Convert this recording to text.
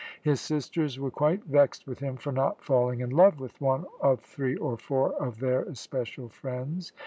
His sisters were quite vexed with him for not falling in love with one of three or four of their especial friends.